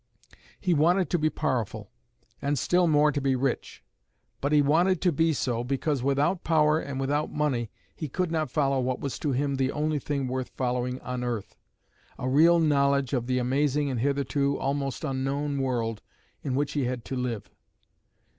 He wanted to be powerful, and still more to be rich; but he wanted to be so, because without power and without money he could not follow what was to him the only thing worth following on earth a real knowledge of the amazing and hitherto almost unknown world in which he had to live.